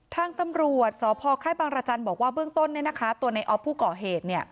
ทางตำรวจสพค่ายบางรจันทร์บอกว่าเบื้องต้นตัวในออฟผู้ก่อเหตุ